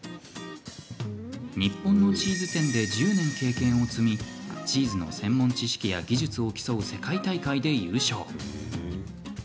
日本のチーズ店で１０年経験を積みチーズの専門知識や技術を競う世界大会で優勝。